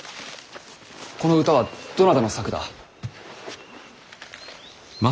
この歌はどなたの作だ。